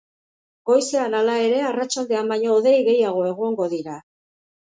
Goizean, hala ere, arratsaldean baino hodei gehiago egongo dira.